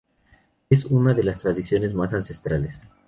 Es una de las tradiciones más ancestrales.